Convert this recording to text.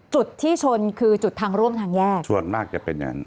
จุดที่ชนคือจุดทางร่วมทางแยกส่วนมากจะเป็นอย่างนั้น